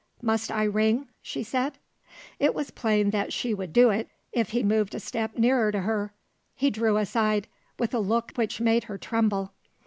"Must I ring?" she said. It was plain that she would do it, if he moved a step nearer to her. He drew aside with a look which made her tremble.